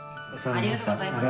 ありがとうございます。